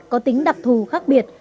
có tính đặc thù khác biệt